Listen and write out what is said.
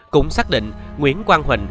cũng xác định nguyễn quang huỳnh